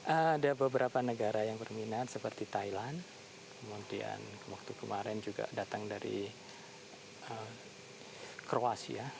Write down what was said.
ada beberapa negara yang berminat seperti thailand kemudian waktu kemarin juga datang dari kroasia